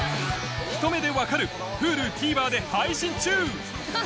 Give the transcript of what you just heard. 『ひと目でわかる‼』ＨｕｌｕＴＶｅｒで配信中